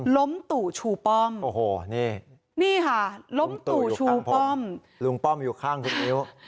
ตู่ชูป้อมโอ้โหนี่นี่ค่ะล้มตู่ชูป้อมลุงป้อมอยู่ข้างคุณมิ้ว